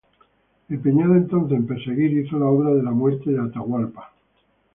Empeñado entonces en perseguir hizo la obra de la muerte de Atahualpa.